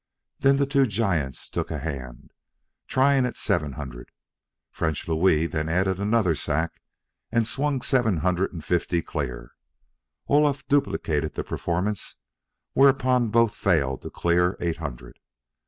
Then the two giants took a hand, tying at seven hundred. French Louis then added another sack, and swung seven hundred and fifty clear. Olaf duplicated the performance, whereupon both failed to clear eight hundred.